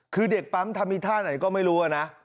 คือเด็กปั๊มทำอีกท่าไหนก็ไม่รู้นะ